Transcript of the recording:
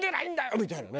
みたいなね